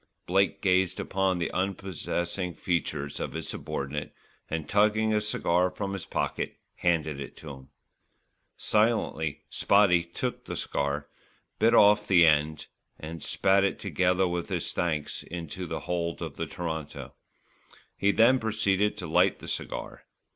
Blake gazed upon the unprepossessing features of his subordinate, and tugging a cigar from his pocket, handed it to him. Silently "Spotty" took the cigar, bit off the end and spat it together with his thanks into the hold of the Toronto. He then proceeded to light the cigar.